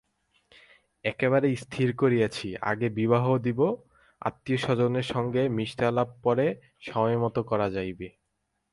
এবারে স্থির করিয়াছি আগে বিবাহ দিব, আত্মীয়স্বজনদের সঙ্গে মিষ্টালাপ পরে সময়মত করা যাইবে।